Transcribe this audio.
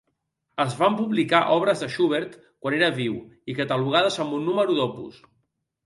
Es van publicar obres de Schubert quan era viu, i catalogades amb un número d'opus.